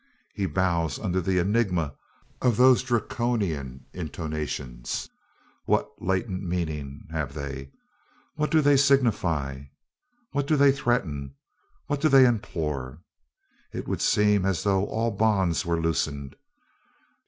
He bows under the enigma of those Draconian intonations. What latent meaning have they? What do they signify? What do they threaten? What do they implore? It would seem as though all bonds were loosened.